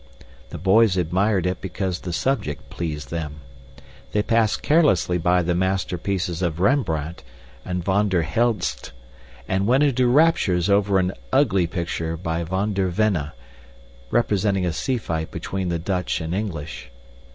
The boys admired it because the subject pleased them. They passed carelessly by the masterpieces of Rembrandt and Van der Helst, and went into raptures over an ugly picture by Van der Venne, representing a sea fight between the Dutch and English.